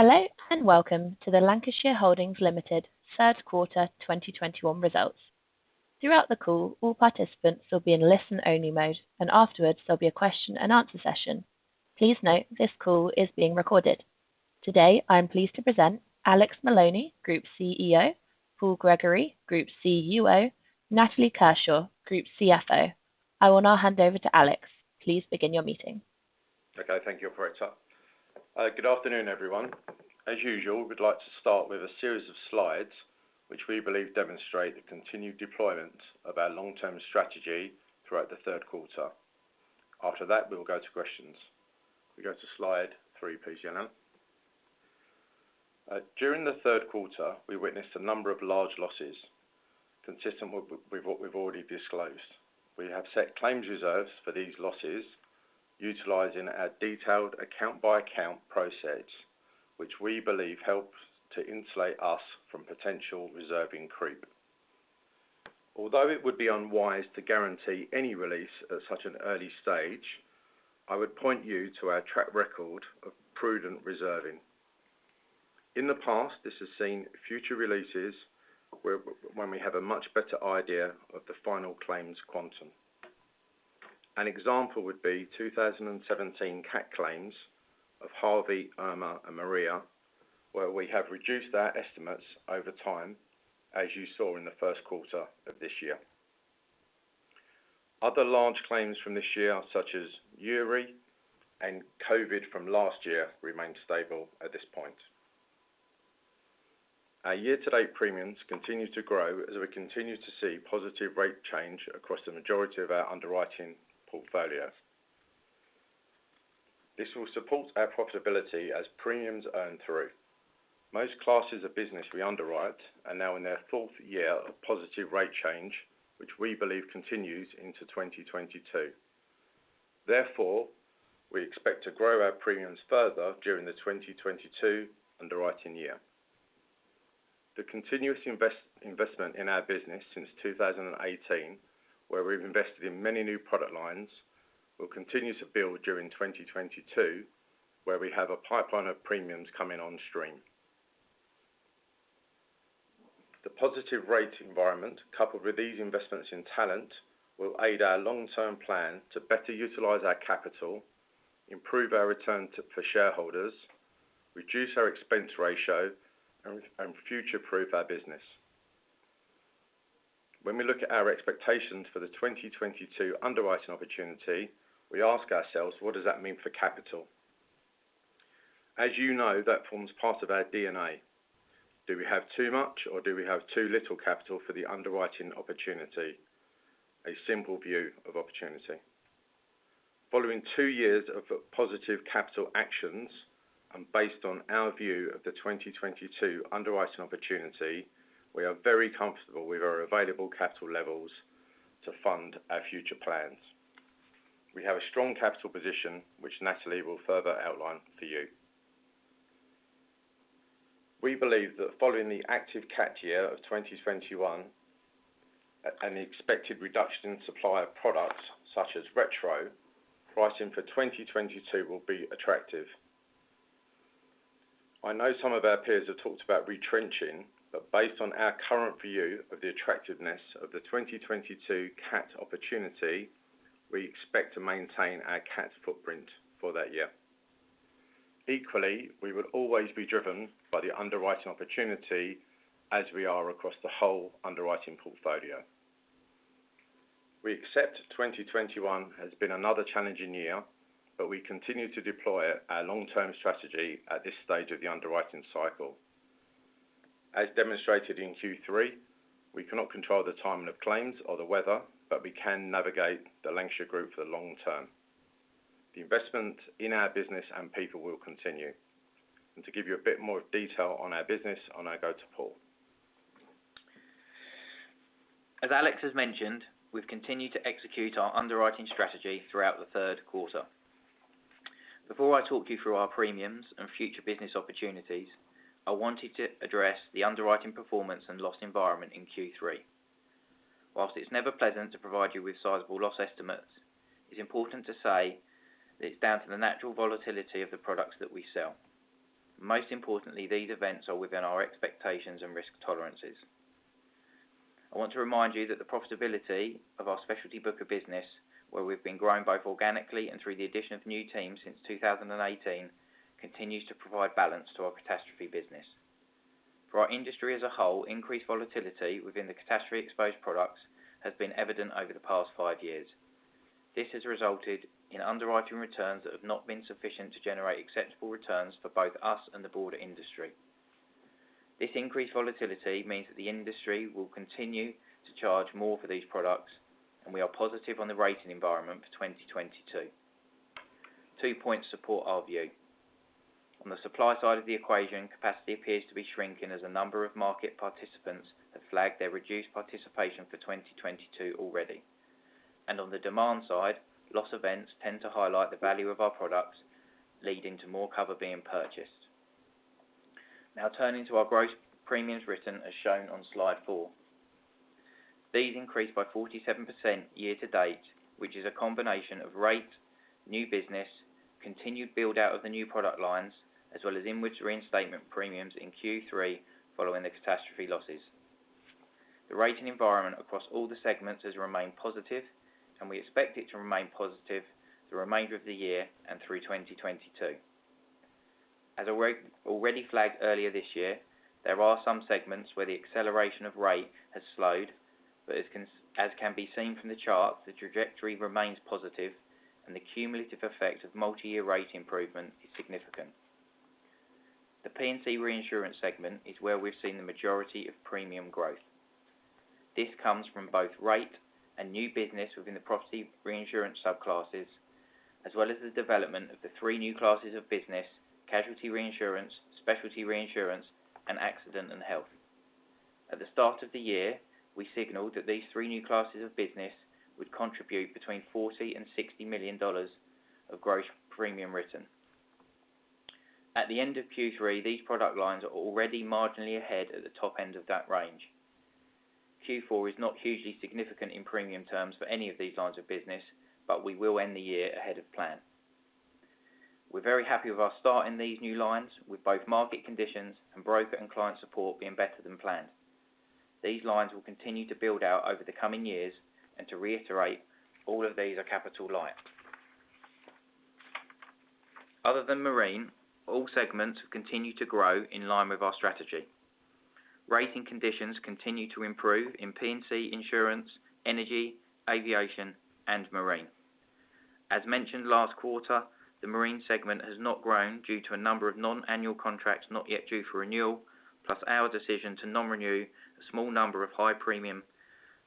Hello and welcome to the Lancashire Holdings Limited Third Quarter 2021 results. Throughout the call, all participants will be in listen only mode, and afterwards there'll be a question and answer session. Please note this call is being recorded. Today, I am pleased to present Alex Maloney, Group CEO, Paul Gregory, Group CUO, Natalie Kershaw, Group CFO. I will now hand over to Alex. Please begin your meeting. Okay. Thank you operator. Good afternoon, everyone. As usual, we'd like to start with a series of slides which we believe demonstrate the continued deployment of our long-term strategy throughout the third quarter. After that, we will go to questions. We go to slide three, please, Jelena. During the third quarter, we witnessed a number of large losses consistent with what we've already disclosed. We have set claims reserves for these losses utilizing our detailed account-by-account process, which we believe helps to insulate us from potential reserving creep. Although it would be unwise to guarantee any release at such an early stage, I would point you to our track record of prudent reserving. In the past, this has seen future releases when we have a much better idea of the final claims quantum. An example would be 2017 cat claims of Harvey, Irma, and Maria, where we have reduced our estimates over time, as you saw in the first quarter of this year. Other large claims from this year, such as Uri and COVID from last year, remain stable at this point. Our year-to-date premiums continue to grow as we continue to see positive rate change across the majority of our underwriting portfolio. This will support our profitability as premiums earn through. Most classes of business we underwrite are now in their fourth year of positive rate change, which we believe continues into 2022. Therefore, we expect to grow our premiums further during the 2022 underwriting year. The continuous investment in our business since 2018, where we've invested in many new product lines, will continue to build during 2022, where we have a pipeline of premiums coming on stream. The positive rate environment, coupled with these investments in talent, will aid our long-term plan to better utilize our capital, improve our return for shareholders, reduce our expense ratio, and future-proof our business. When we look at our expectations for the 2022 underwriting opportunity, we ask ourselves, what does that mean for capital? As you know, that forms part of our DNA. Do we have too much or do we have too little capital for the underwriting opportunity? A simple view of opportunity. Following two years of positive capital actions and based on our view of the 2022 underwriting opportunity, we are very comfortable with our available capital levels to fund our future plans. We have a strong capital position, which Natalie will further outline for you. We believe that following the active cat year of 2021 and the expected reduction in supply of products such as retro, pricing for 2022 will be attractive. I know some of our peers have talked about retrenching, but based on our current view of the attractiveness of the 2022 cat opportunity, we expect to maintain our cat footprint for that year. Equally, we would always be driven by the underwriting opportunity as we are across the whole underwriting portfolio. We accept 2021 has been another challenging year, but we continue to deploy our long-term strategy at this stage of the underwriting cycle. As demonstrated in Q3, we cannot control the timing of claims or the weather, but we can navigate the Lancashire Group for the long term. The investment in our business and people will continue. To give you a bit more detail on our business, now I go to Paul. As Alex has mentioned, we've continued to execute our underwriting strategy throughout the third quarter. Before I talk you through our premiums and future business opportunities, I wanted to address the underwriting performance and loss environment in Q3. While it's never pleasant to provide you with sizable loss estimates, it's important to say that it's down to the natural volatility of the products that we sell. Most importantly, these events are within our expectations and risk tolerances. I want to remind you that the profitability of our specialty book of business, where we've been growing both organically and through the addition of new teams since 2018, continues to provide balance to our catastrophe business. For our industry as a whole, increased volatility within the catastrophe exposed products has been evident over the past five years. This has resulted in underwriting returns that have not been sufficient to generate acceptable returns for both us and the broader industry. This increased volatility means that the industry will continue to charge more for these products, and we are positive on the rating environment for 2022. Two points support our view. On the supply side of the equation, capacity appears to be shrinking as a number of market participants have flagged their reduced participation for 2022 already. On the demand side, loss events tend to highlight the value of our products, leading to more cover being purchased. Now turning to our gross premiums written as shown on slide four. These increased by 47% year to date, which is a combination of rate, new business, continued build out of the new product lines, as well as inwards reinstatement premiums in Q3 following the catastrophe losses. The rating environment across all the segments has remained positive, and we expect it to remain positive the remainder of the year and through 2022. As I already flagged earlier this year, there are some segments where the acceleration of rate has slowed, but as can be seen from the chart, the trajectory remains positive and the cumulative effect of multi-year rate improvement is significant. The P&C reinsurance segment is where we've seen the majority of premium growth. This comes from both rate and new business within the property reinsurance subclasses, as well as the development of the three new classes of business, casualty reinsurance, specialty reinsurance, and accident and health. At the start of the year, we signaled that these three new classes of business would contribute between $40 million and $60 million of gross premium written. At the end of Q3, these product lines are already marginally ahead at the top end of that range. Q4 is not hugely significant in premium terms for any of these lines of business, but we will end the year ahead of plan. We're very happy with our start in these new lines with both market conditions and broker and client support being better than planned. These lines will continue to build out over the coming years and to reiterate, all of these are capital light. Other than marine, all segments continue to grow in line with our strategy. Rating conditions continue to improve in P&C insurance, energy, aviation, and marine. As mentioned last quarter, the marine segment has not grown due to a number of non-annual contracts not yet due for renewal, plus our decision to non-renew a small number of high premium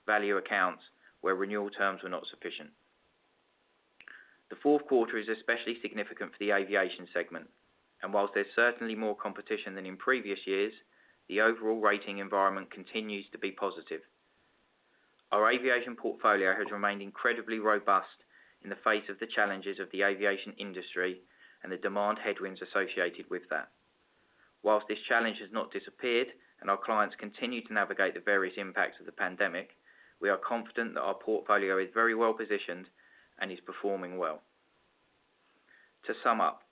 value accounts where renewal terms were not sufficient. The fourth quarter is especially significant for the aviation segment. While there's certainly more competition than in previous years, the overall rating environment continues to be positive. Our aviation portfolio has remained incredibly robust in the face of the challenges of the aviation industry and the demand headwinds associated with that. While this challenge has not disappeared and our clients continue to navigate the various impacts of the pandemic, we are confident that our portfolio is very well positioned and is performing well. To sum up,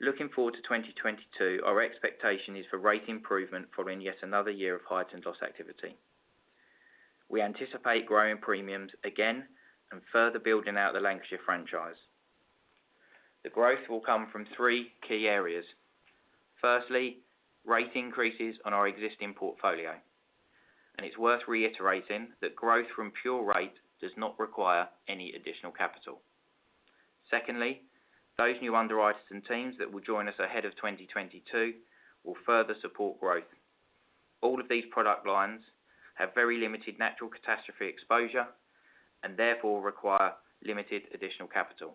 looking forward to 2022, our expectation is for rate improvement following yet another year of heightened loss activity. We anticipate growing premiums again and further building out the Lancashire franchise. The growth will come from three key areas. Firstly, rate increases on our existing portfolio. It's worth reiterating that growth from pure rate does not require any additional capital. Secondly, those new underwriters and teams that will join us ahead of 2022 will further support growth. All of these product lines have very limited natural catastrophe exposure and therefore require limited additional capital.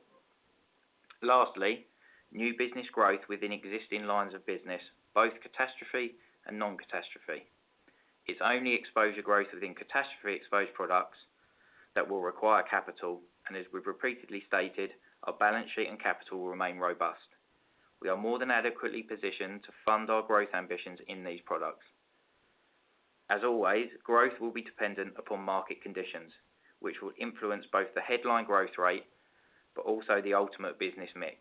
Lastly, new business growth within existing lines of business, both catastrophe and non-catastrophe. It's only exposure growth within catastrophe exposed products that will require capital, and as we've repeatedly stated, our balance sheet and capital remain robust. We are more than adequately positioned to fund our growth ambitions in these products. As always, growth will be dependent upon market conditions, which will influence both the headline growth rate, but also the ultimate business mix.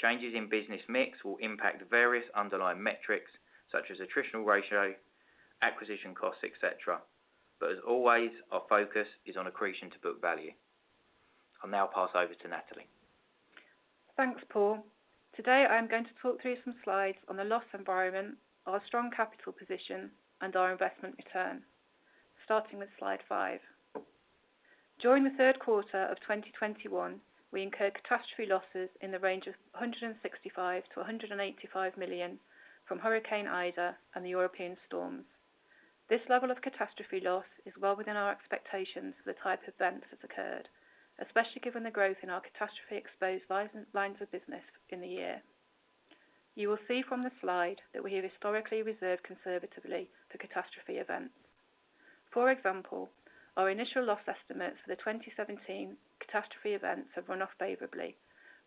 Changes in business mix will impact various underlying metrics such as attritional ratio, acquisition costs, etc. As always, our focus is on accretion to book value. I'll now pass over to Natalie. Thanks, Paul. Today, I am going to talk through some slides on the loss environment, our strong capital position, and our investment return. Starting with slide five. During the third quarter of 2021, we incurred catastrophe losses in the range of $165 million-$185 million from Hurricane Ida and the European storms. This level of catastrophe loss is well within our expectations for the type of events that's occurred, especially given the growth in our catastrophe exposed lines of business in the year. You will see from the slide that we have historically reserved conservatively for catastrophe events. For example, our initial loss estimates for the 2017 catastrophe events have run off favorably,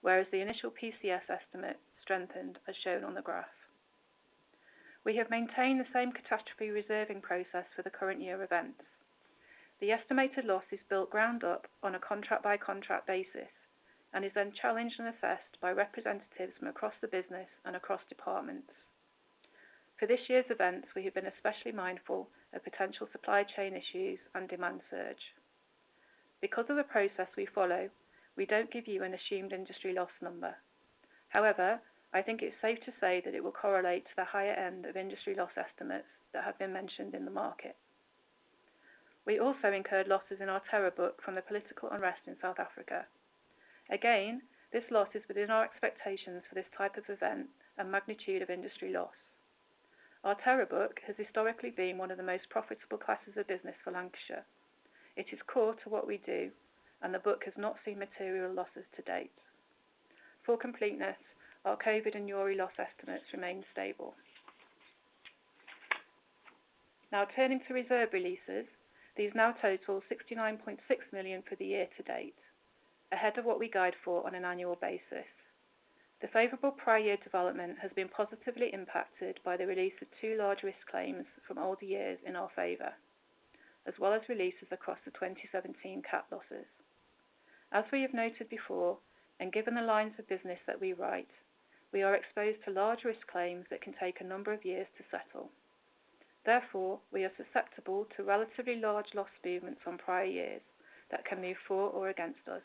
whereas the initial PCS estimate strengthened as shown on the graph. We have maintained the same catastrophe reserving process for the current year events. The estimated loss is built ground up on a contract by contract basis and is then challenged and assessed by representatives from across the business and across departments. For this year's events, we have been especially mindful of potential supply chain issues and demand surge. Because of the process we follow, we don't give you an assumed industry loss number. However, I think it's safe to say that it will correlate to the higher end of industry loss estimates that have been mentioned in the market. We also incurred losses in our terror book from the political unrest in South Africa. Again, this loss is within our expectations for this type of event and magnitude of industry loss. Our terror book has historically been one of the most profitable classes of business for Lancashire. It is core to what we do, and the book has not seen material losses to date. For completeness, our COVID and Uri loss estimates remain stable. Now turning to reserve releases. These now total $69.6 million for the year to date, ahead of what we guide for on an annual basis. The favorable prior year development has been positively impacted by the release of two large risk claims from older years in our favor, as well as releases across the 2017 cat losses. As we have noted before, and given the lines of business that we write, we are exposed to large risk claims that can take a number of years to settle. Therefore, we are susceptible to relatively large loss movements from prior years that can move for or against us.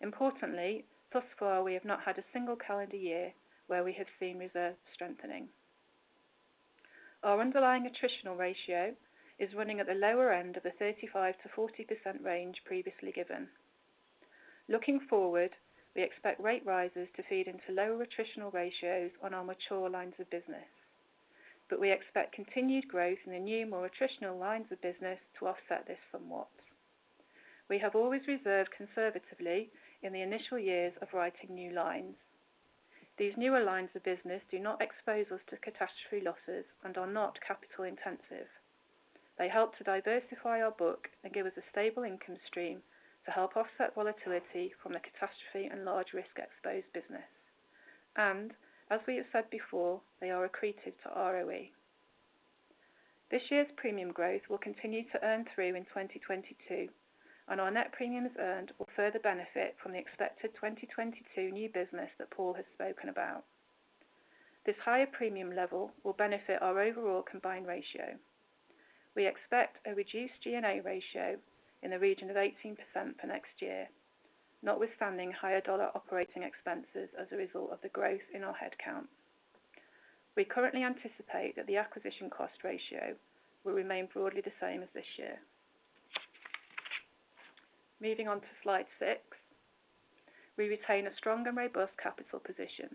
Importantly, thus far, we have not had a single calendar year where we have seen reserve strengthening. Our underlying attritional ratio is running at the lower end of the 35%-40% range previously given. Looking forward, we expect rate rises to feed into lower attritional ratios on our mature lines of business. We expect continued growth in the new, more attritional lines of business to offset this somewhat. We have always reserved conservatively in the initial years of writing new lines. These newer lines of business do not expose us to catastrophe losses and are not capital intensive. They help to diversify our book and give us a stable income stream to help offset volatility from the catastrophe and large risk exposed business. As we have said before, they are accretive to ROE. This year's premium growth will continue to earn through in 2022, and our net premiums earned will further benefit from the expected 2022 new business that Paul has spoken about. This higher premium level will benefit our overall combined ratio. We expect a reduced G&A ratio in the region of 18% for next year, notwithstanding higher dollar operating expenses as a result of the growth in our headcount. We currently anticipate that the acquisition cost ratio will remain broadly the same as this year. Moving on to slide six. We retain a strong and robust capital position.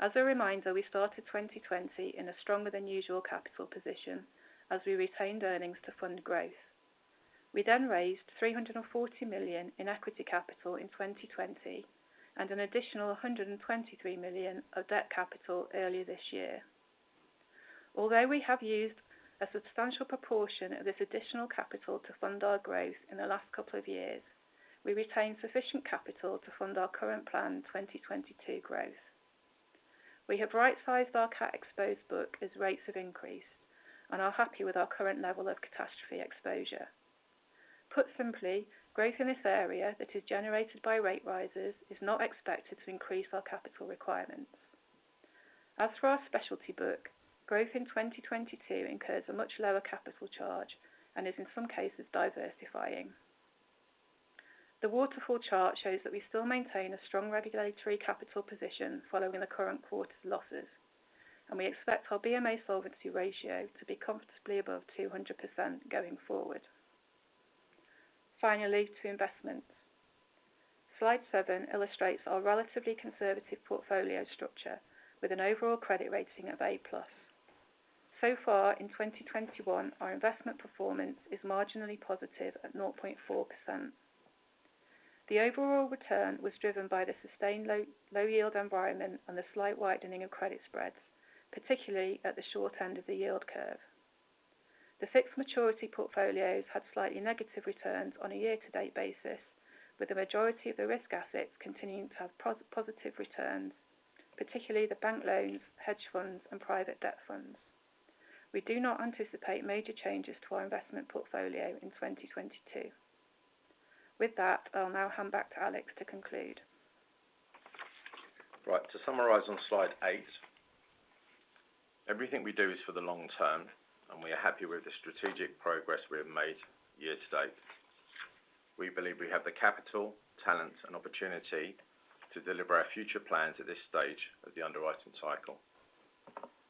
As a reminder, we started 2020 in a stronger than usual capital position as we retained earnings to fund growth. We then raised $340 million in equity capital in 2020 and an additional $123 million of debt capital earlier this year. Although we have used a substantial proportion of this additional capital to fund our growth in the last couple of years, we retain sufficient capital to fund our current planned 2022 growth. We have right-sized our cat-exposed book as rates have increased and are happy with our current level of catastrophe exposure. Put simply, growth in this area that is generated by rate rises is not expected to increase our capital requirements. As for our specialty book, growth in 2022 incurs a much lower capital charge and is in some cases diversifying. The waterfall chart shows that we still maintain a strong regulatory capital position following the current quarter's losses, and we expect our BMA solvency ratio to be comfortably above 200% going forward. Finally, to investments. Slide seven illustrates our relatively conservative portfolio structure with an overall credit rating of A+. So far in 2021, our investment performance is marginally positive at 0.4%. The overall return was driven by the sustained low yield environment and the slight widening of credit spreads, particularly at the short end of the yield curve. The fixed maturity portfolios had slightly negative returns on a year to date basis, with the majority of the risk assets continuing to have positive returns, particularly the bank loans, hedge funds, and private debt funds. We do not anticipate major changes to our investment portfolio in 2022. With that, I'll now hand back to Alex to conclude. Right. To summarize on slide eight, everything we do is for the long term, and we are happy with the strategic progress we have made year to date. We believe we have the capital, talent, and opportunity to deliver our future plans at this stage of the underwriting cycle.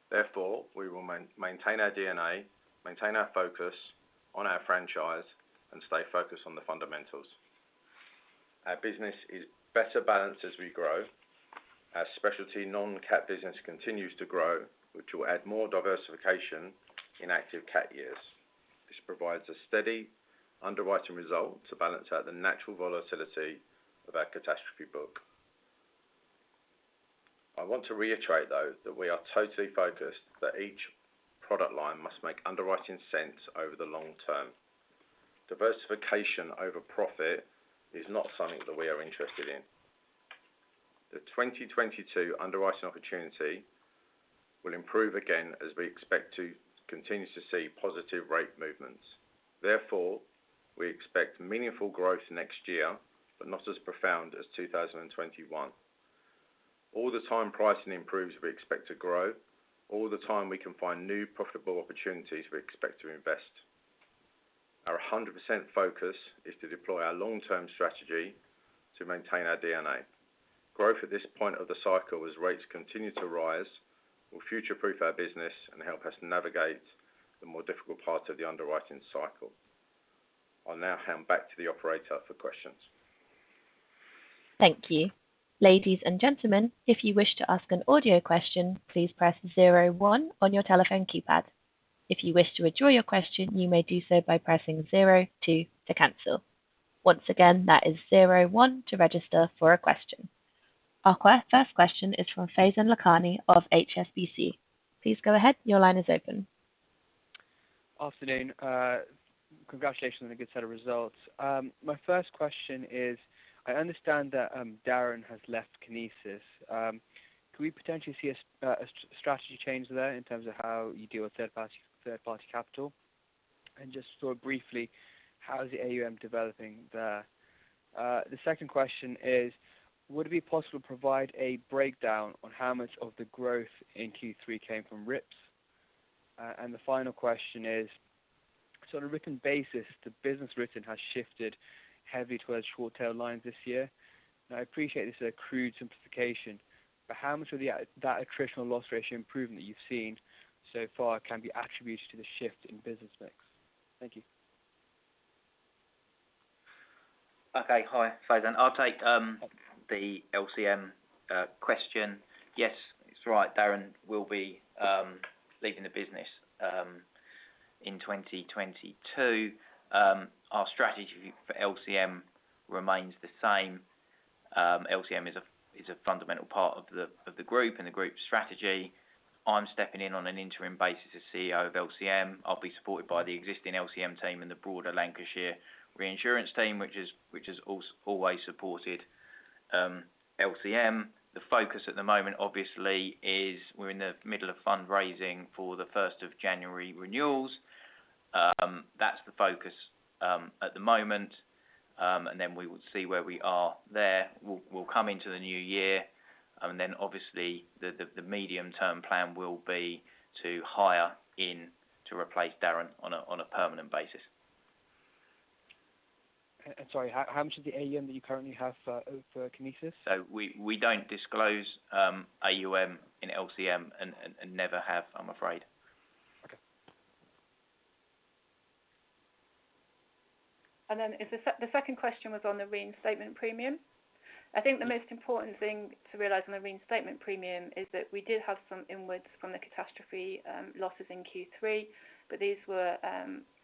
Therefore, we will maintain our DNA, maintain our focus on our franchise, and stay focused on the fundamentals. Our business is better balanced as we grow. Our specialty non-cat business continues to grow, which will add more diversification in active cat years. This provides a steady underwriting result to balance out the natural volatility of our catastrophe book. I want to reiterate, though, that we are totally focused that each product line must make underwriting sense over the long term. diversification over profit is not something that we are interested in. The 2022 underwriting opportunity will improve again, as we expect to continue to see positive rate movements. Therefore, we expect meaningful growth next year, but not as profound as 2021. All the time pricing improves, we expect to grow. All the time we can find new profitable opportunities, we expect to invest. Our 100% focus is to deploy our long term strategy to maintain our DNA. Growth at this point of the cycle as rates continue to rise will future-proof our business and help us navigate the more difficult parts of the underwriting cycle. I'll now hand back to the operator for questions. Thank you. Ladies and gentlemen, if you wish to ask an audio question, please press zero one on your telephone keypad. If you wish to withdraw your question, you may do so by pressing zero two to cancel. Once again, that is zero one to register for a question. Our first question is from Faizan Lakhani of HSBC. Please go ahead. Your line is open. Afternoon. Congratulations on a good set of results. My first question is, I understand that Darren has left Kinesis. Could we potentially see a strategy change there in terms of how you deal with third party capital? And just sort of briefly, how is the AUM developing there? The second question is, would it be possible to provide a breakdown on how much of the growth in Q3 came from rips? And the final question is, so on a written basis, the business written has shifted heavily towards short tail lines this year. Now, I appreciate this is a crude simplification, but how much of that attritional loss ratio improvement that you've seen so far can be attributed to the shift in business mix? Thank you. Okay. Hi, Faizan. I'll take the LCM question. Yes, it's right. Darren will be leaving the business in 2022. Our strategy for LCM remains the same. LCM is a fundamental part of the group and the group strategy. I'm stepping in on an interim basis as CEO of LCM. I'll be supported by the existing LCM team and the broader Lancashire reinsurance team, which has always supported LCM. The focus at the moment, obviously, is we're in the middle of fundraising for the first of January renewals. That's the focus at the moment. We would see where we are there. We'll come into the new year, and then obviously the medium-term plan will be to hire in to replace Darren on a permanent basis. Sorry. How much is the AUM that you currently have for Kinesis? We don't disclose AUM in LCM and never have, I'm afraid. Okay. The second question was on the reinstatement premium. I think the most important thing to realize on the reinstatement premium is that we did have some inwards from the catastrophe losses in Q3, but these were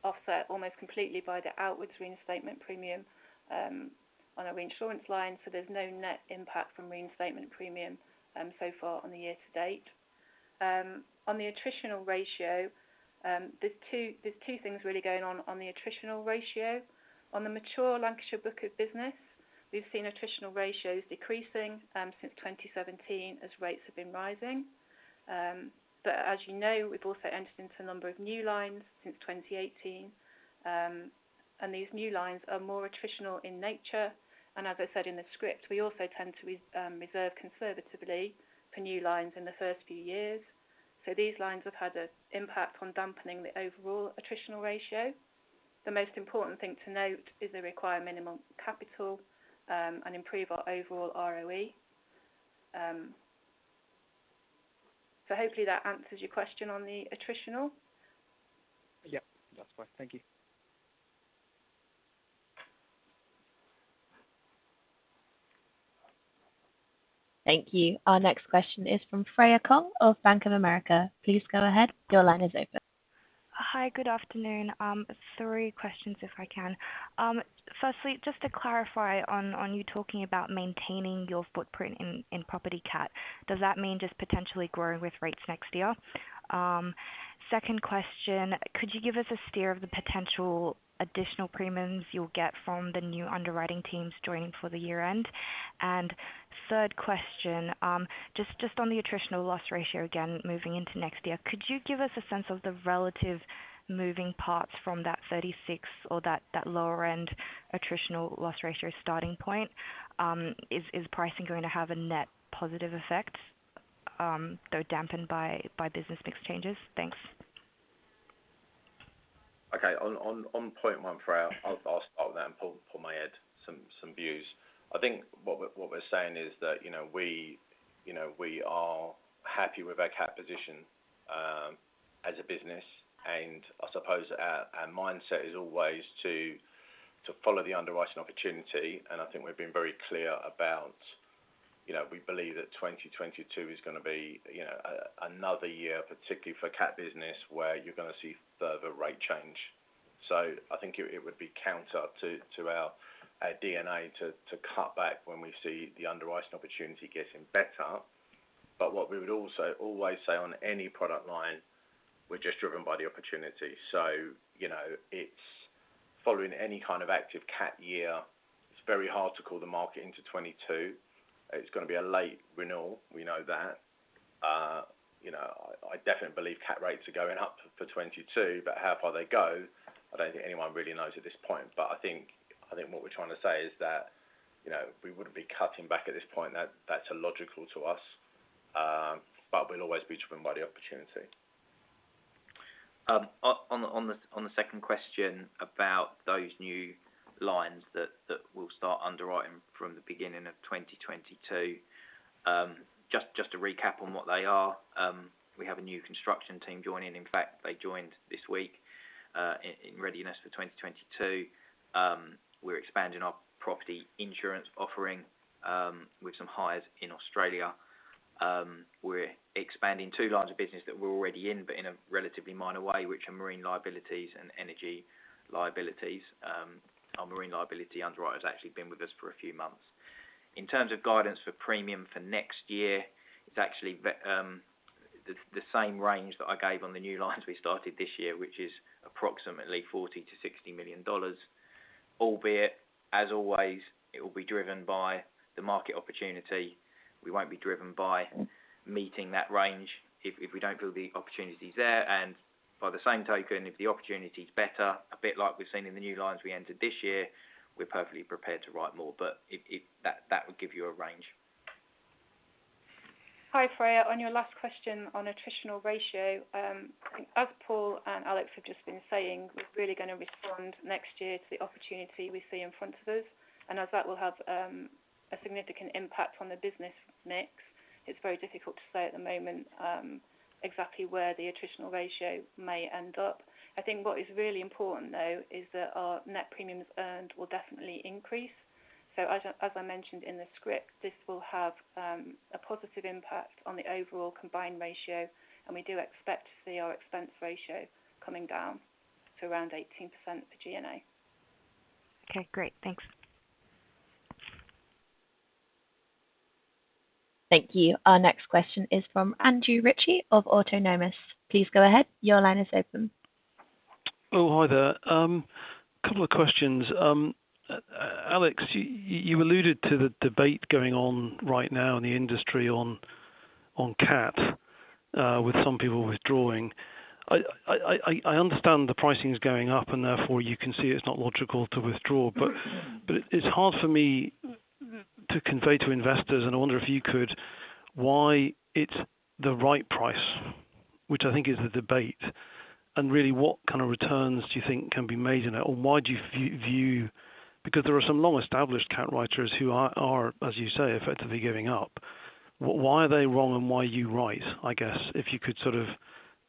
offset almost completely by the outwards reinstatement premium on our reinsurance line. There's no net impact from reinstatement premium so far on the year to date. On the attritional ratio, there are two things really going on on the attritional ratio. On the mature Lancashire book of business, we've seen attritional ratios decreasing since 2017 as rates have been rising. As you know, we've also entered into a number of new lines since 2018, and these new lines are more attritional in nature. As I said in the script, we also tend to reserve conservatively for new lines in the first few years. These lines have had an impact on dampening the overall attritional ratio. The most important thing to note is they require minimum capital and improve our overall ROE. Hopefully that answers your question on the attritional. Yeah, that's fine. Thank you. Thank you. Our next question is from Freya Kong of Bank of America. Please go ahead. Your line is open. Hi, good afternoon. Three questions if I can. Firstly, just to clarify on you talking about maintaining your footprint in property cat. Does that mean just potentially growing with rates next year? Second question, could you give us a steer of the potential additional premiums you'll get from the new underwriting teams joining before the year end? Third question, just on the attritional loss ratio, again, moving into next year. Could you give us a sense of the relative moving parts from that 36% or that lower end attritional loss ratio starting point? Is pricing going to have a net positive effect, though dampened by business mix changes? Thanks. On point one, Freya, I'll start with that and pull in and add some views. I think what we're saying is that, you know, we are happy with our cat position as a business. I suppose our mindset is always to follow the underwriting opportunity. I think we've been very clear about, you know, we believe that 2022 is gonna be, you know, another year, particularly for cat business, where you're gonna see further rate change. I think it would be counter to our DNA to cut back when we see the underwriting opportunity getting better. What we would also always say on any product line, we're just driven by the opportunity. You know, it's following any kind of active cat year, it's very hard to call the market into 2022. It's gonna be a late renewal. We know that. You know, I definitely believe cat rates are going up for 2022, but how far they go, I don't think anyone really knows at this point. I think what we're trying to say is that, you know, we wouldn't be cutting back at this point. That's illogical to us. We'll always be driven by the opportunity. On the second question about those new lines that we'll start underwriting from the beginning of 2022. Just to recap on what they are. We have a new construction team joining. In fact, they joined this week, in readiness for 2022. We're expanding our property insurance offering with some hires in Australia. We're expanding two lines of business that we're already in, but in a relatively minor way, which are marine liabilities and energy liabilities. Our marine liability underwriter has actually been with us for a few months. In terms of guidance for premium for next year, it's actually the same range that I gave on the new lines we started this year, which is approximately $40 million-$60 million. Albeit, as always, it will be driven by the market opportunity. We won't be driven by meeting that range if we don't feel the opportunity's there. By the same token, if the opportunity's better, a bit like we've seen in the new lines we entered this year, we're perfectly prepared to write more. It that would give you a range. Hi, Freya. On your last question on attritional ratio, as Paul and Alex have just been saying, we're really gonna respond next year to the opportunity we see in front of us. As that will have a significant impact on the business mix, it's very difficult to say at the moment exactly where the attritional ratio may end up. I think what is really important, though, is that our net premiums earned will definitely increase. As I mentioned in the script, this will have a positive impact on the overall combined ratio, and we do expect to see our expense ratio coming down to around 18% for G&A. Okay, great. Thanks. Thank you. Our next question is from Andrew Ritchie of Autonomous. Please go ahead. Your line is open. Oh, hi there. Couple of questions. Alex, you alluded to the debate going on right now in the industry on cat with some people withdrawing. I understand the pricing's going up and therefore you can see it's not logical to withdraw. It's hard for me to convey to investors, and I wonder if you could why it's the right price, which I think is the debate. Really, what kind of returns do you think can be made in it, or why do you view. Because there are some long established cat writers who are, as you say, effectively giving up. Why are they wrong and why are you right, I guess? If you could sort of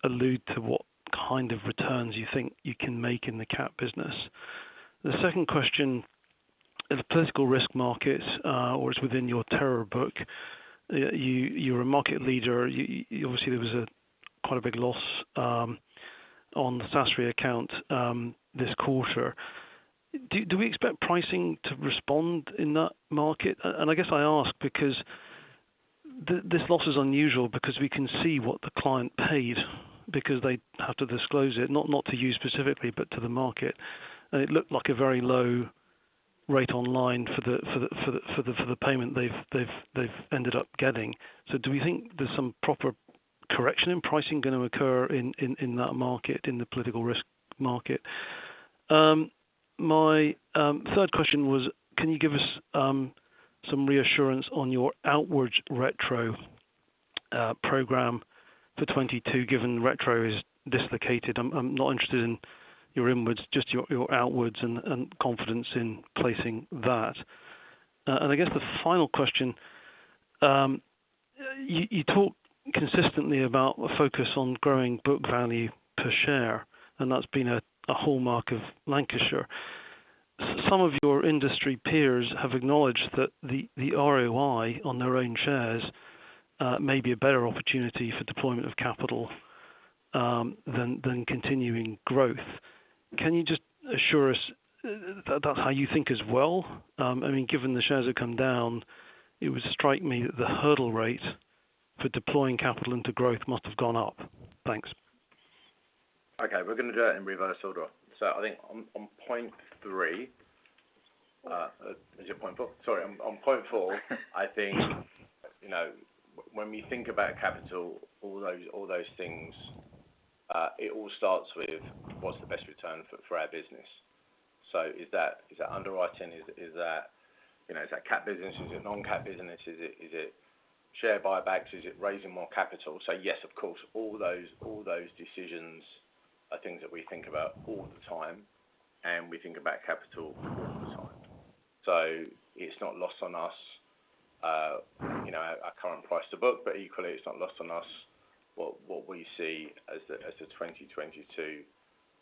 allude to what kind of returns you think you can make in the cat business. The second question, the political risk market, or is within your terror book. You're a market leader. You obviously there was a quite big loss on the Sasria account this quarter. Do we expect pricing to respond in that market? I guess I ask because this loss is unusual because we can see what the client paid because they have to disclose it, not to you specifically, but to the market. It looked like a very low rate online for the payment they've ended up getting. Do we think there's some proper correction in pricing gonna occur in that market, in the political risk market? My third question was, can you give us some reassurance on your outwards retro program for 2022, given retro is dislocated? I'm not interested in your inwards, just your outwards and confidence in placing that. And I guess the final question, you talk consistently about the focus on growing book value per share, and that's been a hallmark of Lancashire. Some of your industry peers have acknowledged that the ROI on their own shares may be a better opportunity for deployment of capital than continuing growth. Can you just assure us that that's how you think as well? I mean, given the shares have come down, it would strike me that the hurdle rate for deploying capital into growth must have gone up. Thanks. Okay, we're gonna do it in reverse order. I think on point four, you know, when we think about capital, all those things, it all starts with what's the best return for our business. Is that underwriting? Is that, you know, is that cat business? Is it non-cat business? Is it share buybacks? Is it raising more capital? Yes, of course, all those decisions are things that we think about all the time, and we think about capital all the time. It's not lost on us, you know, our current price to book, but equally, it's not lost on us what we see as the 2022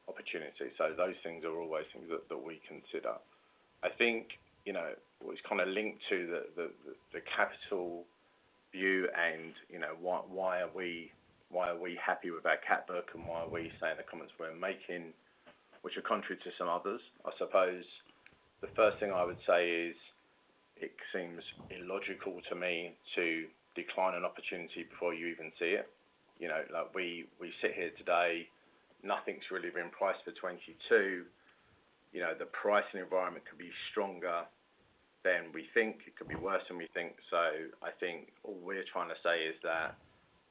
opportunity. Those things are always things that we consider. I think, you know, what is kinda linked to the capital view and, you know, why are we happy with our cat book and why are we saying the comments we're making, which are contrary to some others. I suppose the first thing I would say is it seems illogical to me to decline an opportunity before you even see it. You know, like we sit here today, nothing's really been priced for 2022. You know, the pricing environment could be stronger than we think. It could be worse than we think. I think all we're trying to say is that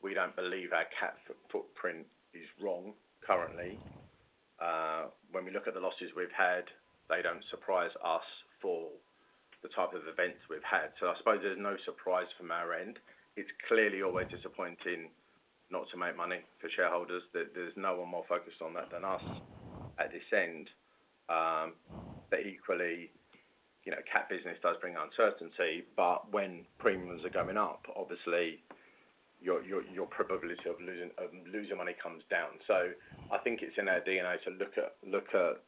we don't believe our cat footprint is wrong currently. When we look at the losses we've had, they don't surprise us for the type of events we've had. I suppose there's no surprise from our end. It's clearly always disappointing not to make money for shareholders. There's no one more focused on that than us at this end. Equally, you know, cat business does bring uncertainty, but when premiums are going up, obviously your probability of losing money comes down. I think it's in our DNA to look at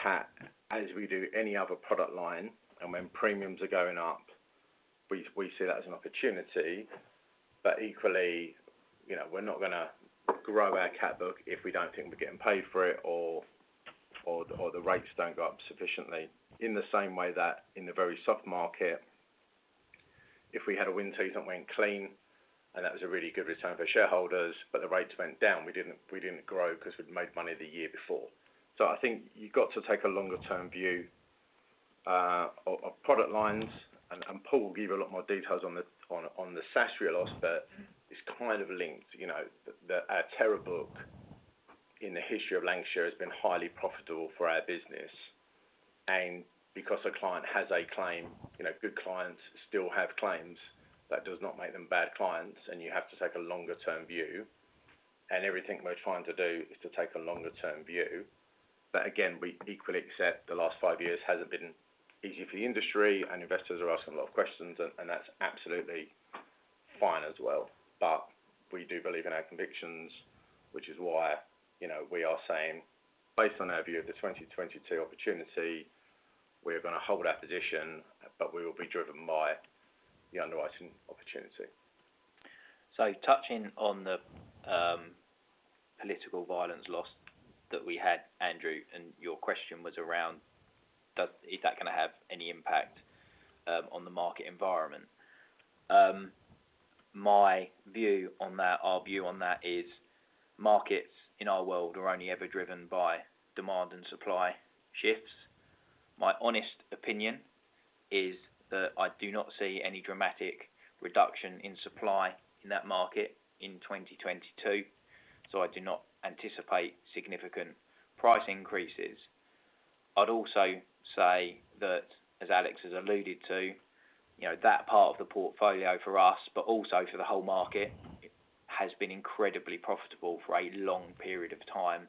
cat as we do any other product line. When premiums are going up, we see that as an opportunity. Equally, you know, we're not gonna grow our cat book if we don't think we're getting paid for it or the rates don't go up sufficiently. In the same way that in a very soft market, if we had a wind season that went clean, and that was a really good return for shareholders, but the rates went down, we didn't grow 'cause we'd made money the year before. I think you've got to take a longer-term view of product lines. Paul will give you a lot more details on the Sasria loss, but it's kind of linked to our treaty book in the history of Lancashire has been highly profitable for our business. Because a client has a claim, you know, good clients still have claims. That does not make them bad clients, and you have to take a longer term view. Everything we're trying to do is to take a longer term view. Again, we equally accept the last five years hasn't been easy for the industry, and investors are asking a lot of questions, and that's absolutely fine as well. We do believe in our convictions, which is why, you know, we are saying, based on our view of the 2022 opportunity, we're gonna hold our position, but we will be driven by the underwriting opportunity. Touching on the political violence loss that we had, Andrew, and your question was around is that gonna have any impact on the market environment. My view on that, our view on that is markets in our world are only ever driven by demand and supply shifts. My honest opinion is that I do not see any dramatic reduction in supply in that market in 2022, so I do not anticipate significant price increases. I'd also say that, as Alex has alluded to, you know, that part of the portfolio for us, but also for the whole market, has been incredibly profitable for a long period of time.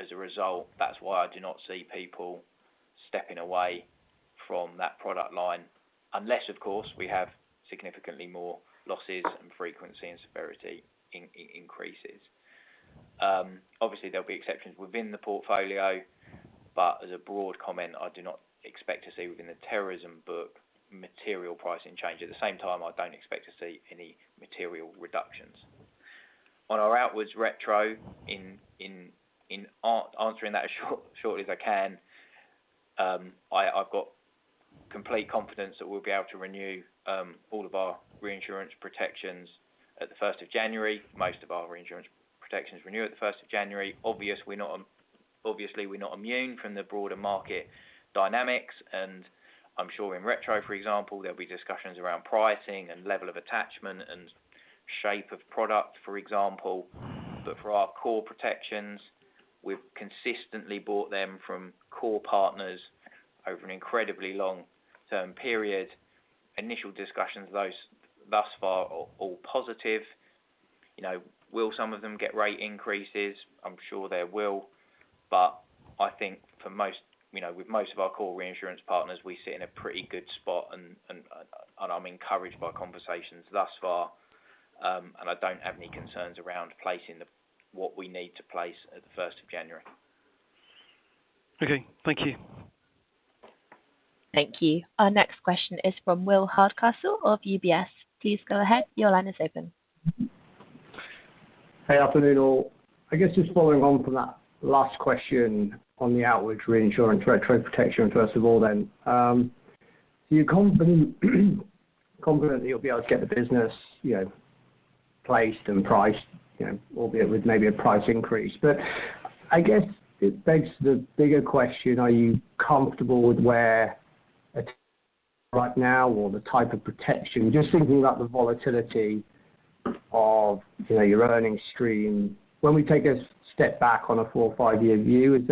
As a result, that's why I do not see people stepping away from that product line unless, of course, we have significantly more losses and frequency and severity increases. Obviously, there'll be exceptions within the portfolio, but as a broad comment, I do not expect to see within the terrorism book material pricing change. At the same time, I don't expect to see any material reductions. On our outwards retro, answering that as shortly as I can, I've got complete confidence that we'll be able to renew all of our reinsurance protections at the first of January. Most of our reinsurance protections renew at the first of January. Obviously we're not immune from the broader market dynamics, and I'm sure in retro, for example, there'll be discussions around pricing and level of attachment and shape of product, for example. But for our core protections, we've consistently bought them from core partners over an incredibly long term period. Initial discussions, those thus far are all positive. You know, will some of them get rate increases? I'm sure they will. I think for most, you know, with most of our core reinsurance partners, we sit in a pretty good spot and I'm encouraged by conversations thus far. I don't have any concerns around placing what we need to place at the first of January. Okay. Thank you. Thank you. Our next question is from Will Hardcastle of UBS. Please go ahead. Your line is open. Hey, afternoon all. I guess just following on from that last question on the outward reinsurance retro protection first of all then. Are you confident that you'll be able to get the business, you know, placed and priced, you know, albeit with maybe a price increase. I guess it begs the bigger question, are you comfortable with where right now or the type of protection. Just thinking about the volatility of, you know, your earnings stream. When we take a step back on a four or five year view,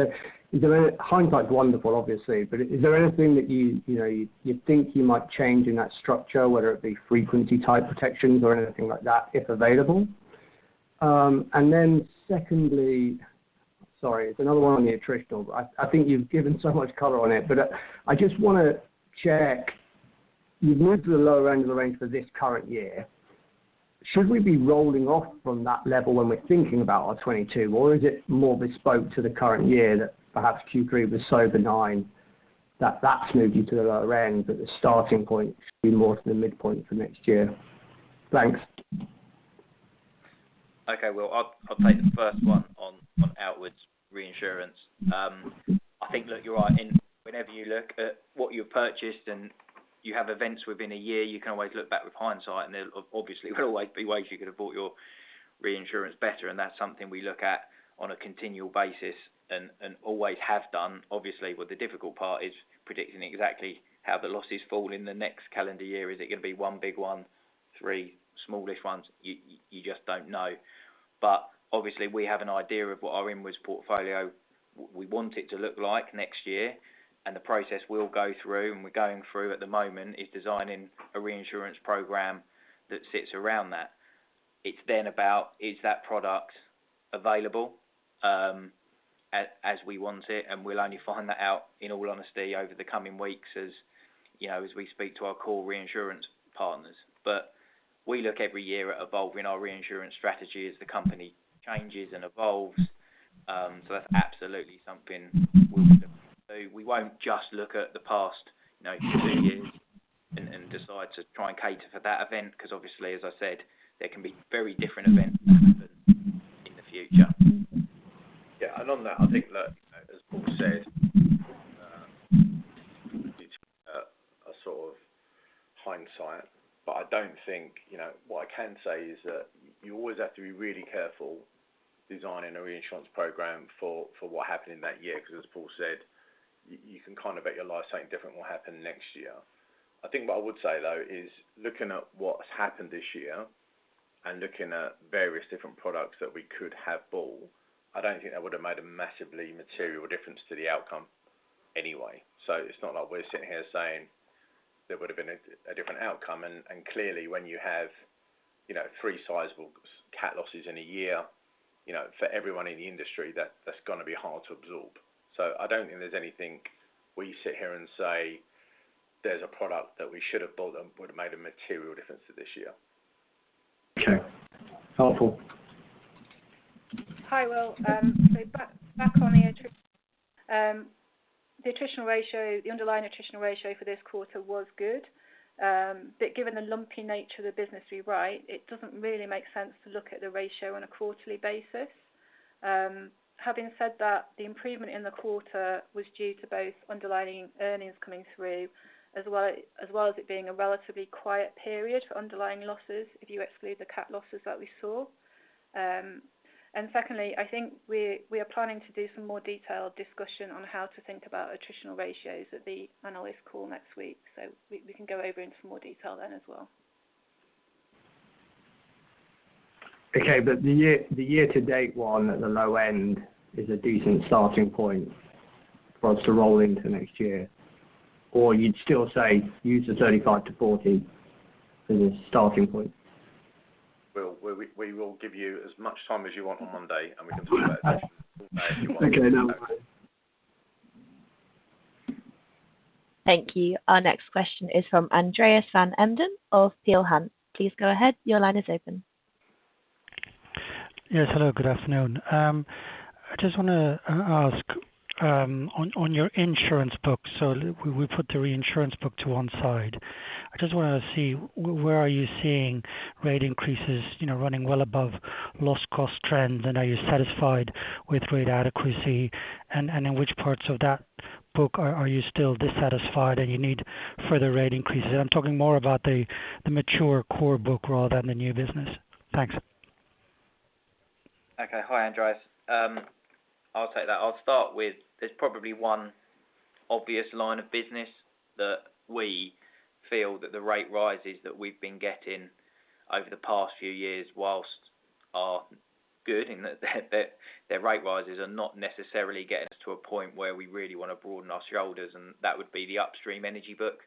hindsight's wonderful, obviously, but is there anything that you know you think you might change in that structure, whether it be frequency type protections or anything like that, if available. Then secondly, sorry, it's another one on the attrition, but I think you've given so much color on it. I just wanna check, you've moved to the lower end of the range for this current year. Should we be rolling off from that level when we're thinking about our 2022, or is it more bespoke to the current year that perhaps Q3 was so benign that that's moved you to the lower end, but the starting point should be more to the midpoint for next year? Thanks. Okay. Well, I'll take the first one on outwards reinsurance. I think that you're right. Whenever you look at what you've purchased and you have events within a year, you can always look back with hindsight, and there obviously will always be ways you could have bought your reinsurance better, and that's something we look at on a continual basis and always have done. Obviously, what the difficult part is predicting exactly how the losses fall in the next calendar year. Is it gonna be one big one, three smallish ones? You just don't know. Obviously we have an idea of what our inwards portfolio, we want it to look like next year. The process we'll go through, and we're going through at the moment, is designing a reinsurance program that sits around that. It's then about, is that product available as we want it? We'll only find that out in all honesty over the coming weeks as, you know, as we speak to our core reinsurance partners. We look every year at evolving our reinsurance strategy as the company changes and evolves. That's absolutely something we won't just look at the past two years and decide to try and cater for that event, because obviously, as I said, there can be very different events in the future. Yeah. On that, I think that, as Paul said, a sort of hindsight, but I don't think, you know, what I can say is that you always have to be really careful designing a reinsurance program for what happened in that year, because as Paul said, you can kind of bet your life something different will happen next year. I think what I would say, though, is looking at what's happened this year and looking at various different products that we could have bought, I don't think that would have made a massively material difference to the outcome anyway. It's not like we're sitting here saying there would have been a different outcome. Clearly, when you have three sizable catlosses in a year, you know, for everyone in the industry, that's going to be hard to absorb. I don't think there's anything we sit here and say there's a product that we should have bought that would have made a material difference to this year. Okay. Helpful. Hi, Will. Back on the attritional ratio, the underlying attritional ratio for this quarter was good. Given the lumpy nature of the business we write, it doesn't really make sense to look at the ratio on a quarterly basis. Having said that, the improvement in the quarter was due to both underlying earnings coming through, as well as it being a relatively quiet period for underlying losses, if you exclude the catlosses that we saw. Secondly, I think we are planning to do some more detailed discussion on how to think about attritional ratios at the analyst call next week, so we can go over in more detail then as well. Okay. The year to date one at the low end is a decent starting point for us to roll into next year. You'd still say use the 35-40 as a starting point. Will, we will give you as much time as you want on Monday, and we can talk about Okay. Thank you. Our next question is from Andreas van Embden of Peel Hunt. Please go ahead. Your line is open. Yes, hello. Good afternoon. I just want to ask on your insurance book. We put the reinsurance book to one side. I just wanna see where are you seeing rate increases, you know, running well above loss cost trends. Are you satisfied with rate adequacy? In which parts of that book are you still dissatisfied and you need further rate increases? I'm talking more about the mature core book rather than the new business. Thanks. Okay. Hi, Andreas. I'll take that. I'll start with, there's probably one obvious line of business that we feel that the rate rises that we've been getting over the past few years while they are good in that the rate rises are not necessarily getting us to a point where we really want to broaden our shoulders, and that would be the upstream energy book.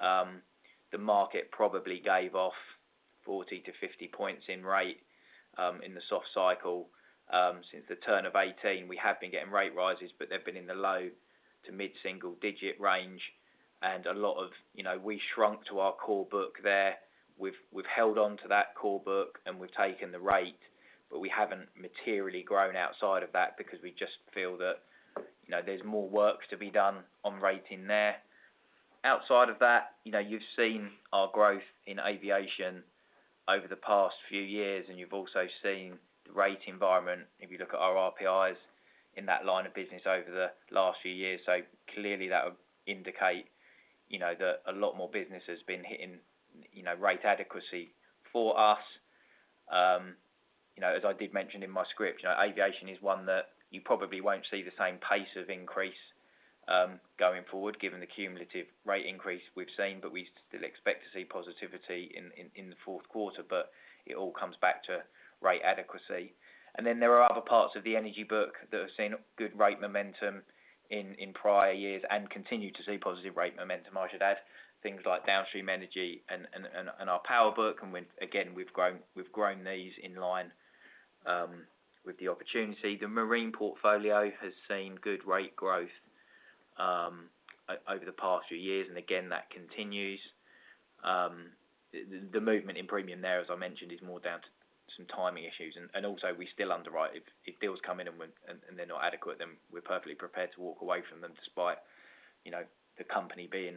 The market probably gave off 40-50 points in rate in the soft cycle. Since the turn of 2018, we have been getting rate rises, but they've been in the low- to mid-single-digit range. A lot of, you know, we shrunk our core book there. We've held on to that core book, and we've taken the rate, but we haven't materially grown outside of that because we just feel that, you know, there's more work to be done on rating there. Outside of that, you know, you've seen our growth in aviation over the past few years, and you've also seen the rate environment, if you look at our RPIs in that line of business over the last few years. So clearly that would indicate, you know, that a lot more business has been hitting, you know, rate adequacy for us. You know, as I did mention in my script, you know, aviation is one that you probably won't see the same pace of increase, going forward, given the cumulative rate increase we've seen. But we still expect to see positivity in the fourth quarter. It all comes back to rate adequacy. Then there are other parts of the energy book that have seen good rate momentum in prior years and continue to see positive rate momentum, I should add. Things like downstream energy and our power book. When again, we've grown these in line with the opportunity. The marine portfolio has seen good rate growth over the past few years, and again, that continues. The movement in premium there, as I mentioned, is more down to some timing issues. Also we still underwrite. If deals come in and they're not adequate, then we're perfectly prepared to walk away from them despite, you know, the company being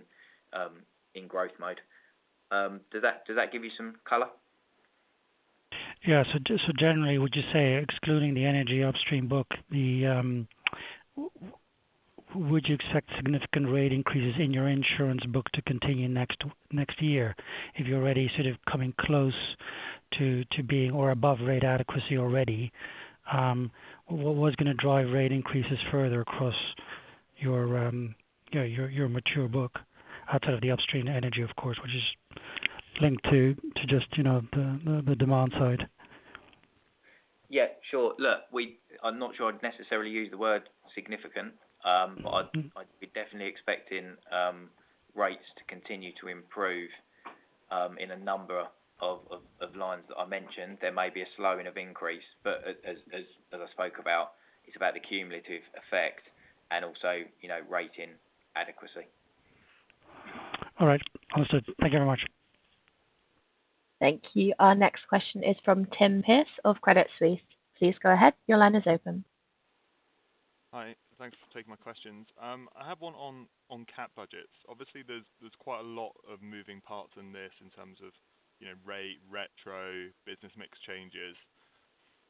in growth mode. Does that give you some color? Generally, would you say, excluding the energy upstream book, would you expect significant rate increases in your insurance book to continue next year? If you're already sort of coming close to being or above rate adequacy already, what was going to drive rate increases further across your mature book outside of the upstream energy, of course, which is linked to just, you know, the demand side. Yeah, sure. Look, I'm not sure I'd necessarily use the word significant. But I'd be definitely expecting rates to continue to improve in a number of lines that I mentioned. There may be a slowing of increase. As I spoke about, it's about the cumulative effect. You know, rating adequacy. All right. Understood. Thank you very much. Thank you. Our next question is from [Iain Pearce] of Credit Suisse. Please go ahead. Your line is open. Hi. Thanks for taking my questions. I have one on cat budgets. Obviously, there's quite a lot of moving parts in terms of, you know, rate, retro, business mix changes.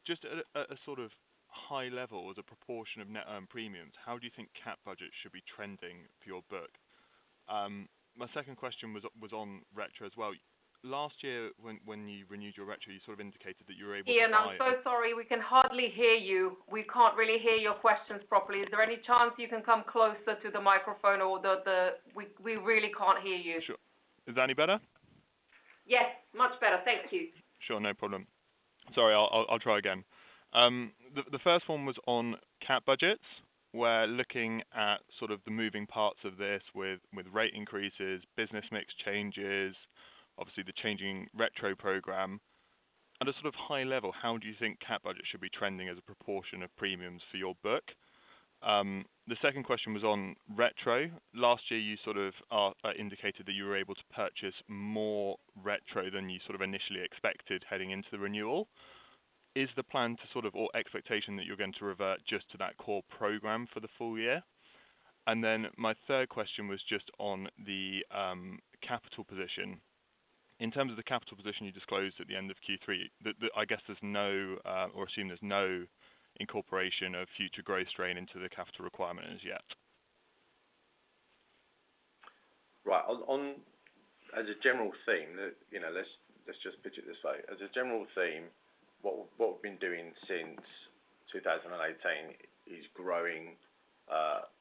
Just at a sort of high level as a proportion of net earned premiums, how do you think cat budgets should be trending for your book? My second question was on retro as well. Last year when you renewed your retro, you sort of indicated that you were able to buy. Iain, I'm so sorry. We can hardly hear you. We can't really hear your questions properly. Is there any chance you can come closer to the microphone? We really can't hear you. Sure. Is that any better? Yes. Much better. Thank you. Sure. No problem. Sorry, I'll try again. The first one was on cat budgets, we're looking at sort of the moving parts of this with rate increases, business mix changes, obviously the changing retro program. At a sort of high level, how do you think cat budget should be trending as a proportion of premiums for your book? The second question was on retro. Last year, you sort of indicated that you were able to purchase more retro than you sort of initially expected heading into the renewal. Is the plan to sort of or expectation that you're going to revert just to that core program for the full year? My third question was just on the capital position. In terms of the capital position you disclosed at the end of Q3, I guess there's no, or assume there's no incorporation of future growth strain into the capital requirement as yet. Right. As a general theme, you know, let's just put it this way. As a general theme, what we've been doing since 2018 is growing,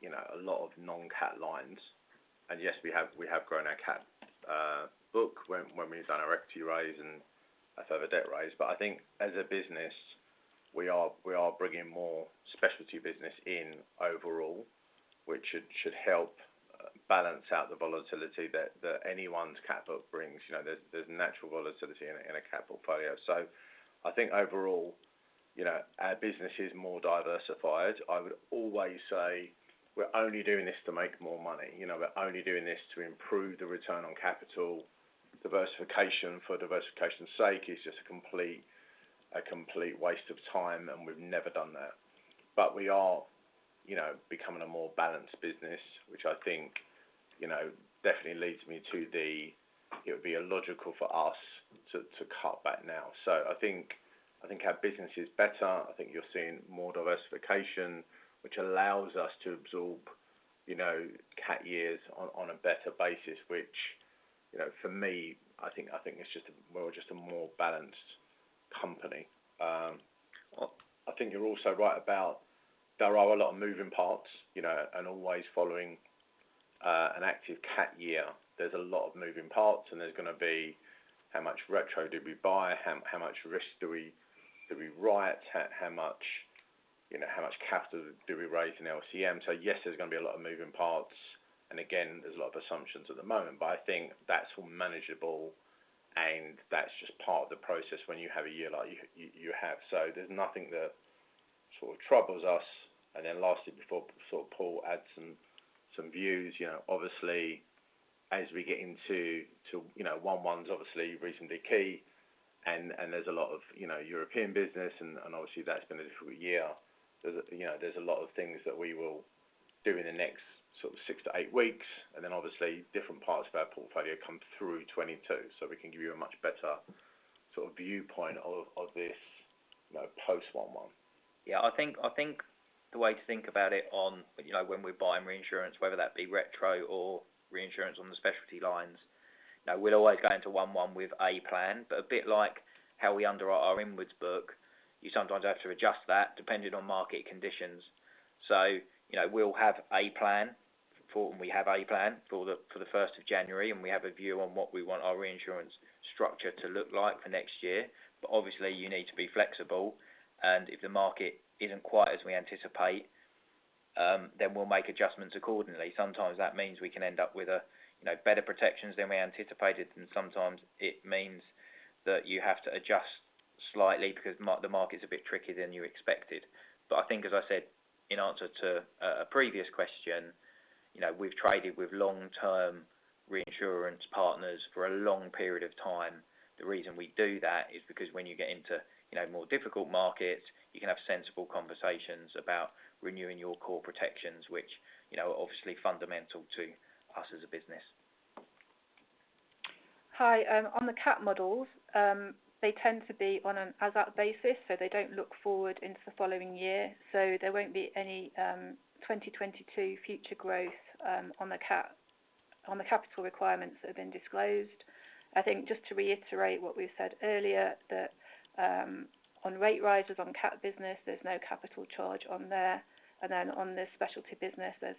you know, a lot of non-cat lines. Yes, we have grown our cat book when we've done our equity raise and a further debt raise. I think as a business, we are bringing more specialty business in overall, which should help balance out the volatility that anyone's cat book brings. You know, there's natural volatility in a cat portfolio. I think overall, you know, our business is more diversified. I would always say we're only doing this to make more money. You know, we're only doing this to improve the return on capital. diversification for diversification's sake is just a complete waste of time, and we've never done that. We are, you know, becoming a more balanced business, which I think, you know, definitely leads me to the. It would be illogical for us to cut back now. I think our business is better. I think you're seeing more diversification, which allows us to absorb, you know, cat years on a better basis, which, you know, for me, I think it's just a more balanced company. I think you're also right about there are a lot of moving parts, you know, and always following an active cat year. There's a lot of moving parts, and there's gonna be how much retro did we buy, how much risk do we write, you know, how much capital do we raise in LCM. Yes, there's gonna be a lot of moving parts, and again, there's a lot of assumptions at the moment. I think that's all manageable, and that's just part of the process when you have a year like you have. There's nothing that sort of troubles us. Then lastly, before Paul adds some views. You know, obviously, as we get into, you know, one one's obviously reasonably key and there's a lot of, you know, European business and obviously that's been a difficult year. You know, there's a lot of things that we will do in the next sort of six to eight weeks, and then obviously different parts of our portfolio come through 2022, so we can give you a much better sort of viewpoint of this, you know, post 1/1. Yeah. I think the way to think about it on, you know, when we're buying reinsurance, whether that be retro or reinsurance on the specialty lines, you know, we'd always go into one with a plan. A bit like how we underwrite our inwards book, you sometimes have to adjust that depending on market conditions. You know, we have a plan for the 1st of January, and we have a view on what we want our reinsurance structure to look like for next year. Obviously you need to be flexible, and if the market isn't quite as we anticipate, then we'll make adjustments accordingly. Sometimes that means we can end up with a, you know, better protections than we anticipated, and sometimes it means that you have to adjust slightly because the market's a bit trickier than you expected. I think, as I said in answer to a previous question, you know, we've traded with long-term reinsurance partners for a long period of time. The reason we do that is because when you get into, you know, more difficult markets, you can have sensible conversations about renewing your core protections, which, you know, are obviously fundamental to us as a business. Hi. On the CATmodels, they tend to be on an as at basis, so they don't look forward into the following year. There won't be any 2022 future growth on the cat, on the capital requirements that have been disclosed. I think just to reiterate what we've said earlier, that on rate rises on cat business, there's no capital charge on there. Then on the specialty business, there's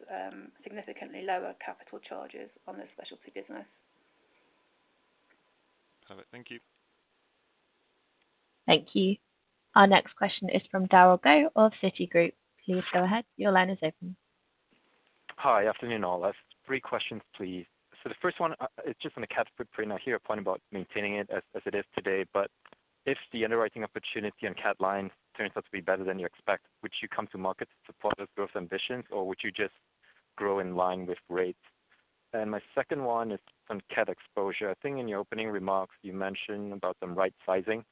significantly lower capital charges on the specialty business. Perfect. Thank you. Thank you. Our next question is from Derald Goh of Citigroup. Please go ahead. Your line is open. Hi. Afternoon, all. I have three questions please. The first one, it's just on the cat footprint. I hear a point about maintaining it as it is today. If the underwriting opportunity on cat line turns out to be better than you expect, would you come to market to support those growth ambitions, or would you just grow in line with rates? My second one is on cat exposure. I think in your opening remarks you mentioned about some right sizing.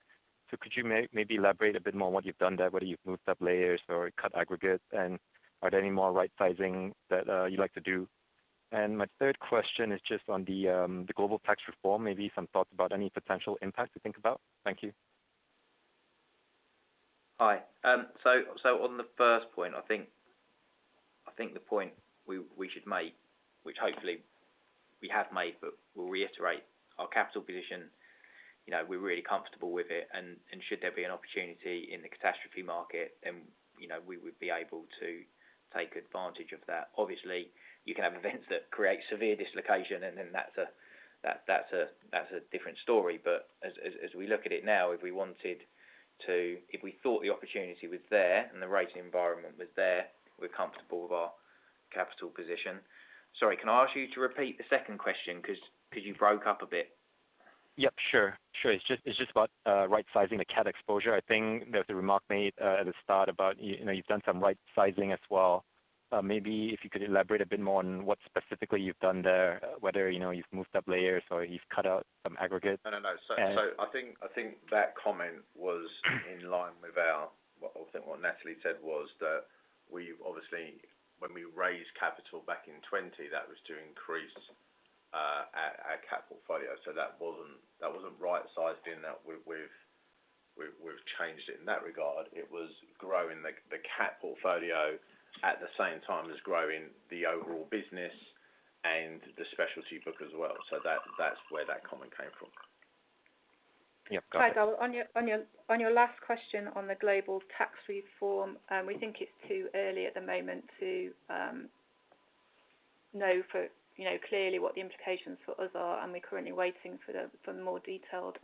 Could you maybe elaborate a bit more what you've done there, whether you've moved up layers or cut aggregates? Are there any more right sizing that you'd like to do? My third question is just on the global tax reform, maybe some thoughts about any potential impact to think about. Thank you. Hi. On the first point, I think the point we should make, which hopefully we have made, but we'll reiterate our capital position. You know, we're really comfortable with it. Should there be an opportunity in the catastrophe market and, you know, we would be able to take advantage of that. Obviously, you can have events that create severe dislocation, and then that's a different story. But as we look at it now, if we thought the opportunity was there and the rating environment was there, we're comfortable with our capital position. Sorry, can I ask you to repeat the second question? 'Cause you broke up a bit. Sure. It's just about right sizing the cat exposure. I think there was a remark made at the start about, you know, you've done some right sizing as well. Maybe if you could elaborate a bit more on what specifically you've done there, whether, you know, you've moved up layers or you've cut out some aggregates. No, no. I think that comment was in line with what Natalie said, that we've obviously, when we raised capital back in 2020, that was to increase our capital portfolio. That wasn't right sized in that we've changed it in that regard. It was growing the cat portfolio at the same time as growing the overall business and the specialty book as well. That's where that comment came from. Yep. Got it. Hi, Derald. On your last question on the global tax reform, we think it's too early at the moment to know for, you know, clearly what the implications for us are, and we're currently waiting for the more detailed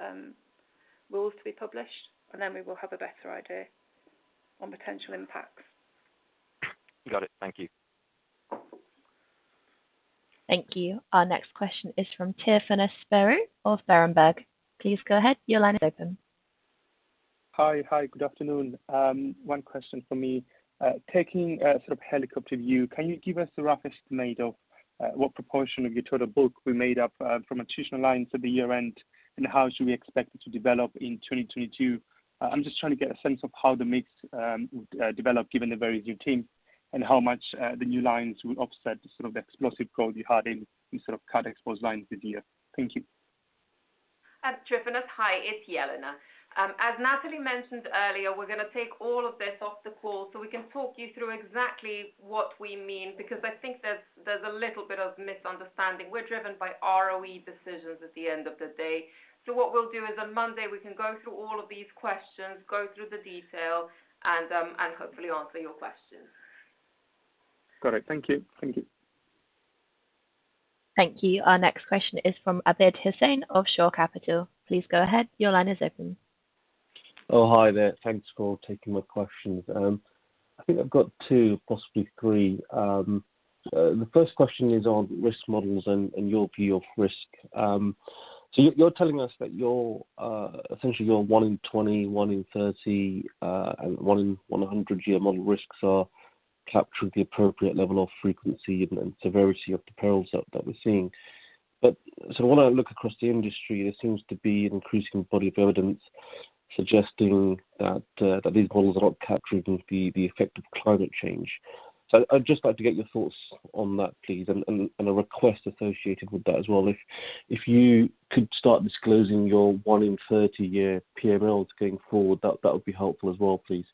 rules to be published, and then we will have a better idea on potential impacts. Got it. Thank you. Thank you. Our next question is from Tryfonas Spyrou of Berenberg. Please go ahead. Your line is open. Hi. Good afternoon. One question from me. Taking a sort of helicopter view, can you give us a rough estimate of what proportion of your total book were made up from attritional lines at the year-end, and how should we expect it to develop in 2022? I'm just trying to get a sense of how the mix developed given the very new team and how much the new lines will offset the sort of explosive growth you had in these sort of cat-exposed lines this year. Thank you. Tryfonas, hi. It's Jelena. As Natalie mentioned earlier, we're gonna take all of this off the call so we can talk you through exactly what we mean because I think there's a little bit of misunderstanding. We're driven by ROE decisions at the end of the day. What we'll do is on Monday, we can go through all of these questions, go through the detail, and hopefully answer your question. Got it. Thank you. Thank you. Our next question is from Abid Hussain of Shore Capital. Please go ahead. Your line is open. Oh, hi there. Thanks for taking my questions. I think I've got two, possibly three. The first question is on risk models and your view of risk. You're telling us that your essentially your one in 20, one in 30, and one in 100 year model risks are capturing the appropriate level of frequency and severity of the perils that we're seeing. When I look across the industry, there seems to be an increasing body of evidence suggesting that these models are not capturing the effect of climate change. I'd just like to get your thoughts on that, please, and a request associated with that as well. If you could start disclosing your one in 30 year PMLs going forward, that would be helpful as well, please.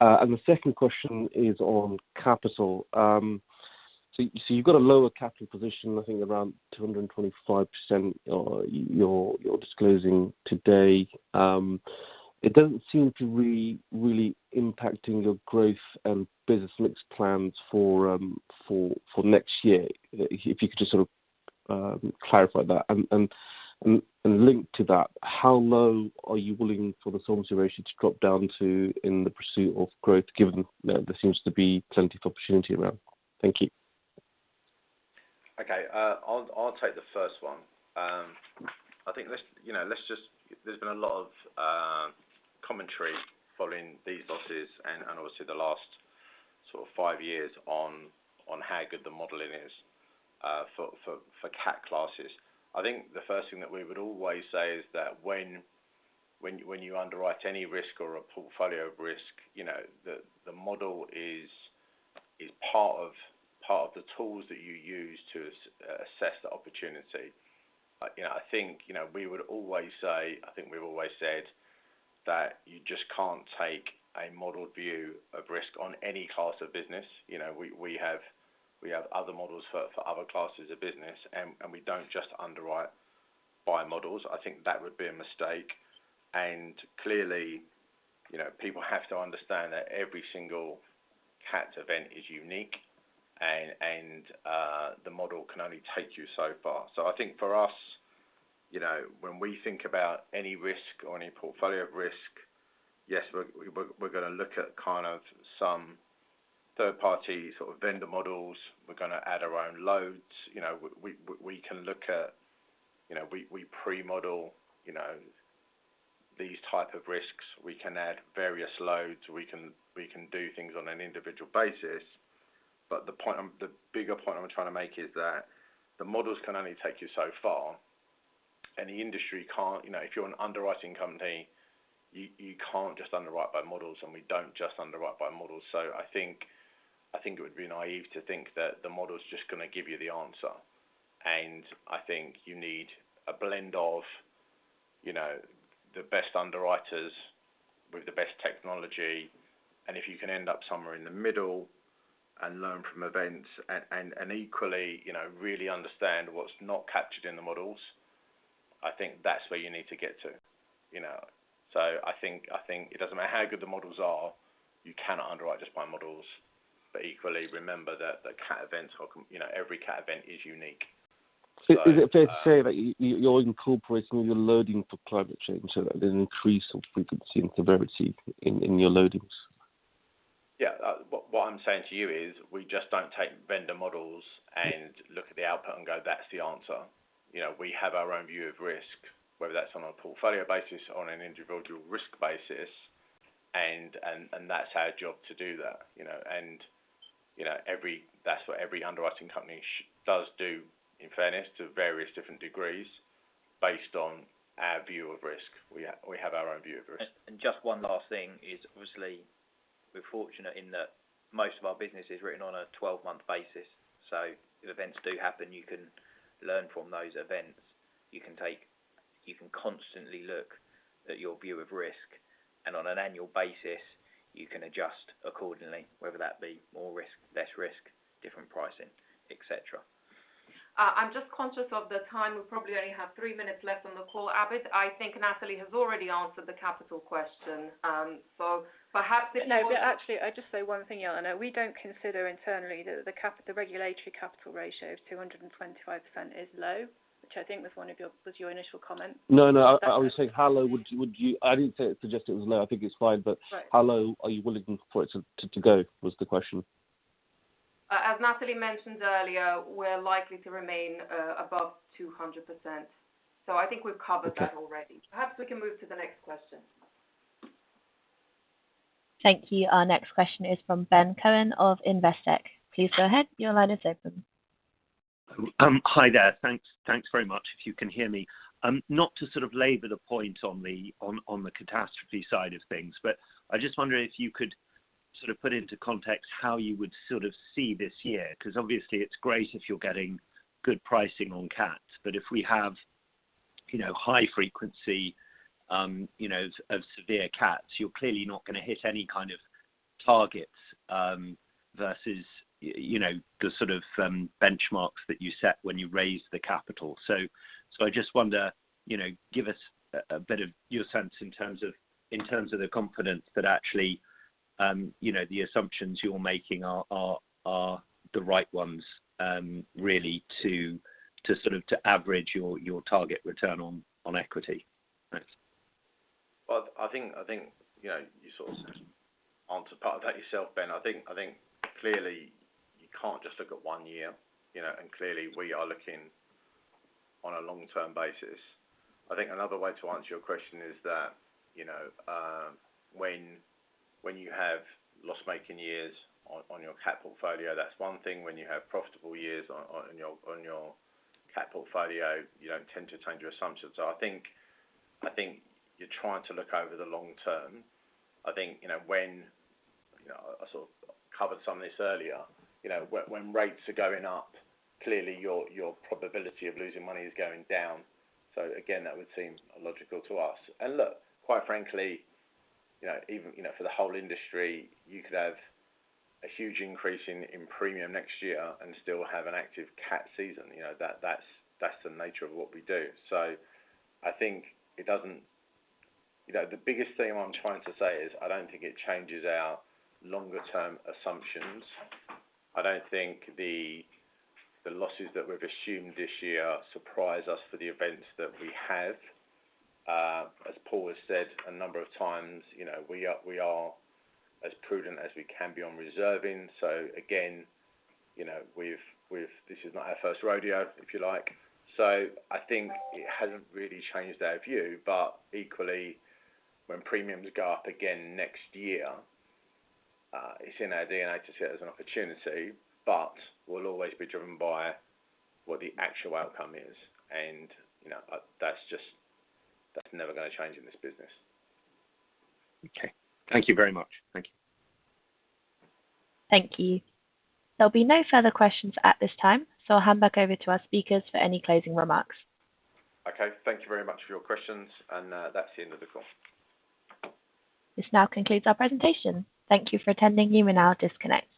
The second question is on capital. So you've got a lower capital position, I think around 225%, you're disclosing today. It doesn't seem to be really impacting your growth and business mix plans for next year. If you could just sort of clarify that. Linked to that, how low are you willing for the solvency ratio to drop down to in the pursuit of growth, given that there seems to be plenty of opportunity around? Thank you. Okay. I'll take the first one. I think, you know, let's just. There's been a lot of commentary following these losses and obviously the last sort of five years on how good the modeling is for cat classes. I think the first thing that we would always say is that when you underwrite any risk or a portfolio of risk, you know, the model is part of the tools that you use to assess the opportunity. You know, I think we would always say. I think we've always said that you just can't take a modeled view of risk on any class of business. You know, we have other models for other classes of business, and we don't just underwrite by models. I think that would be a mistake. Clearly, you know, people have to understand that every single cat event is unique and can only take you so far. I think for us, you know, when we think about any risk or any portfolio of risk, yes, we're gonna look at kind of some third-party sort of vendor models. We're gonna add our own loads. You know, we can look at, you know, we pre-model, you know, these type of risks. We can add various loads. We can do things on an individual basis. The bigger point I'm trying to make is that the models can only take you so far, and the industry can't. You know, if you're an underwriting company, you can't just underwrite by models, and we don't just underwrite by models. I think it would be naive to think that the model's just gonna give you the answer. I think you need a blend of, you know, the best underwriters with the best technology. If you can end up somewhere in the middle and learn from events and equally, you know, really understand what's not captured in the models, I think that's where you need to get to, you know. I think it doesn't matter how good the models are, you cannot underwrite just by models. Equally remember that the cat events you know, every cat event is unique. Is it fair to say that you're incorporating your loading for climate change so that there's an increase of frequency and severity in your loadings? Yeah, what I'm saying to you is we just don't take vendor models and look at the output and go, "That's the answer." You know, we have our own view of risk, whether that's on a portfolio basis or on an individual risk basis, and that's our job to do that, you know. That's what every underwriting company does do, in fairness, to various different degrees based on our view of risk. We have our own view of risk. Just one last thing is, obviously, we're fortunate in that most of our business is written on a 12-month basis, so if events do happen, you can learn from those events. You can constantly look at your view of risk, and on an annual basis, you can adjust accordingly, whether that be more risk, less risk, different pricing, et cetera. I'm just conscious of the time. We probably only have three minutes left on the call. Abid, I think Natalie has already answered the capital question, so perhaps if you want. No, but actually I'll just say one thing, Jelena. We don't consider internally the regulatory capital ratio of 225% is low, which I think was one of your initial comment. Is that fair? No, no. I was saying how low would you. I didn't suggest it was low. I think it's fine. Right. How low are you willing for it to go was the question. As Natalie mentioned earlier, we're likely to remain above 200%. I think we've covered that already. Okay. Perhaps we can move to the next question. Thank you. Our next question is from Ben Cohen of Investec. Please go ahead. Your line is open. Hi there. Thanks. Thanks very much, if you can hear me. Not to sort of labor the point on the catastrophe side of things, but I just wonder if you could sort of put into context how you would sort of see this year. 'Cause obviously it's great if you're getting good pricing on cats, but if we have, you know, high frequency, you know, of severe cats, you're clearly not gonna hit any kind of targets, versus, you know, the sort of benchmarks that you set when you raised the capital. I just wonder, you know, give us a bit of your sense in terms of the confidence that actually, you know, the assumptions you're making are the right ones, really to average your target return on equity. Thanks. Well, I think you know, you sort of answered part of that yourself, Ben. I think clearly you can't just look at one year, you know, and clearly we are looking on a long-term basis. I think another way to answer your question is that, you know, when you have loss-making years on your cat portfolio, that's one thing. When you have profitable years on your cat portfolio, you don't tend to change your assumptions. So I think you're trying to look over the long term. I think, you know, I sort of covered some of this earlier. You know, when rates are going up, clearly your probability of losing money is going down. So again, that would seem logical to us. Look, quite frankly, you know, even, you know, for the whole industry, you could have a huge increase in premium next year and still have an active cat season. You know, that's the nature of what we do. I think it doesn't. You know, the biggest thing I'm trying to say is I don't think it changes our longer term assumptions. I don't think the losses that we've assumed this year surprise us for the events that we have. As Paul has said a number of times, you know, we are as prudent as we can be on reserving. Again, you know, we've. This is not our first rodeo, if you like. I think it hasn't really changed our view. Equally, when premiums go up again next year, it's in our DNA to see it as an opportunity, but we'll always be driven by what the actual outcome is. You know, that's just never gonna change in this business. Okay. Thank you very much. Thank you. Thank you. There'll be no further questions at this time, so I'll hand back over to our speakers for any closing remarks. Okay. Thank you very much for your questions, and that's the end of the call. This now concludes our presentation. Thank you for attending. You may now disconnect.